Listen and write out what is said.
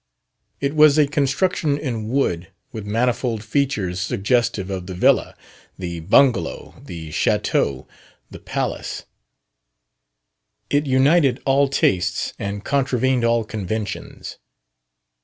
It was a construction in wood, with manifold "features" suggestive of the villa, the bungalow, the chateau, the palace; it united all tastes and contravened all conventions.